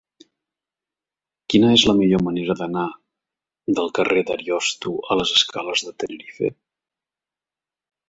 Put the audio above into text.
Quina és la millor manera d'anar del carrer d'Ariosto a les escales de Tenerife?